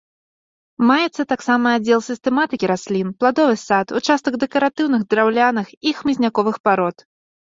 Маецца таксама аддзел сістэматыкі раслін, пладовы сад, участак дэкаратыўных драўняных і хмызняковых парод.